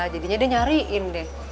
jadinya dia nyariin deh